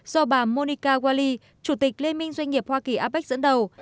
do bà monica wali chủ tịch liên minh doanh nghiệp hoa kỳ apec dẫn đầu